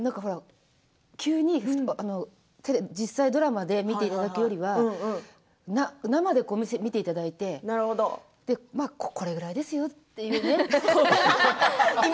急に、実際ドラマで見ていただくよりは生で見ていただいてこれぐらいですよっていうね。